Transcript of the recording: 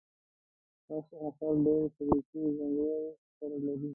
اس او خر ډېرې شریکې ځانګړتیاوې سره لري.